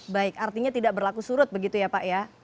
baik artinya tidak berlaku surut begitu ya pak ya